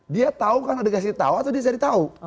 dia tahu karena dikasih tahu atau dia cari tahu